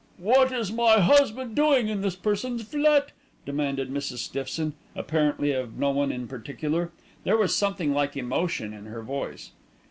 "What is my husband doing in this person's flat?" demanded Mrs. Stiffson, apparently of no one in particular. There was something like emotion in her voice.